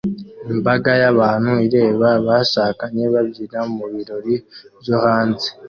Imbaga y'abantu ireba abashakanye babyina mu birori byo hanze